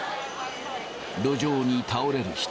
路上に倒れる人。